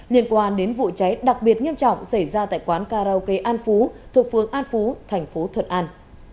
liên quan đến vụ cháy đặc biệt nghiêm trọng xảy ra tại quán karaoke an phú thuộc phương an phú thành phố thuận an